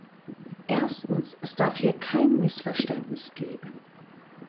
Erstens, es darf hier kein Missverständnis geben.